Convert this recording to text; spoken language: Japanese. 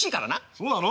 そうなの？